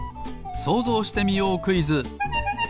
「そうぞうしてみようクイズ」！